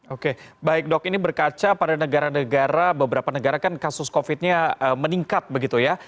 oke baik dok ini berkaca pada negara negara beberapa negara kan kasus covid nya meningkat begitu ya